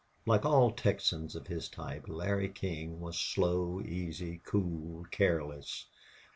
Like all Texans of his type, Larry King was slow, easy, cool, careless.